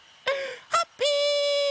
ハッピー！